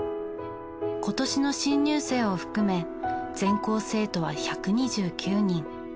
今年の新入生を含め全校生徒は１２９人。